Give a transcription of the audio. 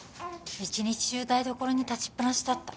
一日中台所に立ちっぱなしだった